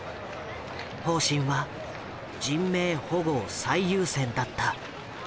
方針は「人命保護を最優先」だった。